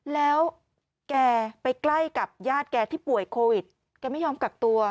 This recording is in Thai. แล้วแกไปใกล้กับญาติแกที่ป่วยโควิดแกไม่ยอมกักตัว